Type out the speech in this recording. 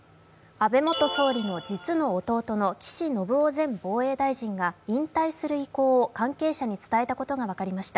安倍元総理の実の弟の岸信夫元防衛大臣が引退する意向を関係者に伝えたことが分かりました。